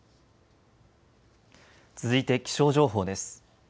続いて気象情報です。